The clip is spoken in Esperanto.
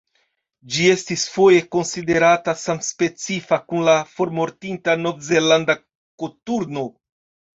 Ĝi estis foje konsiderata samspecifa kun la formortinta Novzelanda koturno.